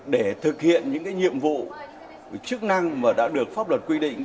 để thực hiện những nhiệm vụ chức năng mà đã được pháp luật quy định